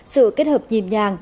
sự kết hợp nhìm nhàng